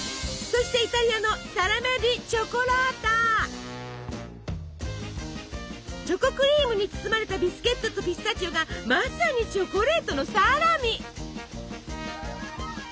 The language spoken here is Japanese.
そしてチョコクリームに包まれたビスケットとピスタチオがまさにチョコレートのサラミ！